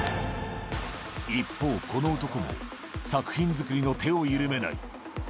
一方、この男も作品作りの手を緩めない。